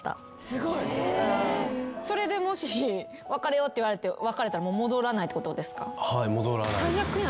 それでもし別れようって言われて別れたら戻らないってことですか？